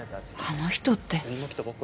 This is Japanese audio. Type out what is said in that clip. あの人って。